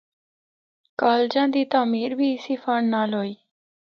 کالجاں دی تعمیر بھی اسی فنڈ نال ہوئی۔